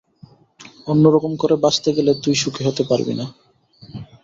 অন্যরকম করে বাঁচতে গেলে তুই সুখী হতে পারবি না।